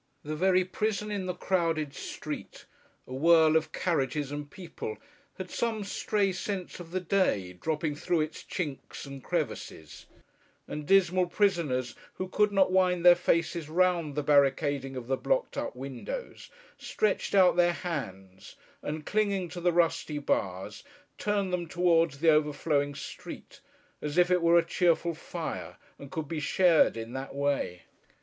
The very prison in the crowded street, a whirl of carriages and people, had some stray sense of the day, dropping through its chinks and crevices: and dismal prisoners who could not wind their faces round the barricading of the blocked up windows, stretched out their hands, and clinging to the rusty bars, turned them towards the overflowing street: as if it were a cheerful fire, and could be shared in, that way.